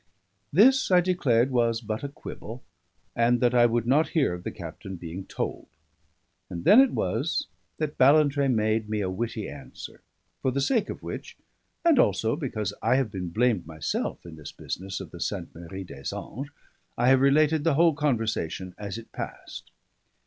This I declared was but a quibble, and that I would not hear of the captain being told; and then it was that Ballantrae made me a witty answer, for the sake of which (and also because I have been blamed myself in this business of the Sainte Marie des Anges) I have related the whole conversation as it passed.